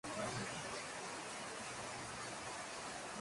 En las semifinales, derrotó a Mercedes Martinez.